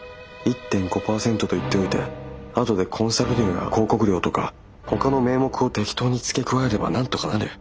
１．５％と言っておいてあとでコンサル料や広告料とかほかの名目を適当に付け加えればなんとかなる。